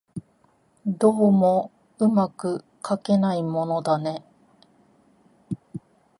どうも巧くかけないものだね